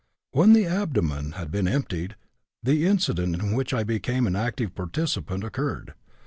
When the abdomen had been emptied, the incident in which I became an active participant occurred.